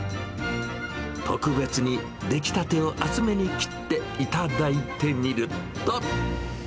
特別に出来たてを厚めに切って頂いてみると。